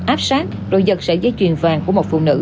áp sát rồi giật sẻ giấy chuyền vàng của một phụ nữ